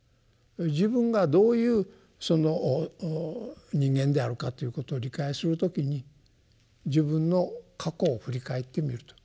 自分がどういう人間であるかということを理解する時に自分の過去を振り返ってみると。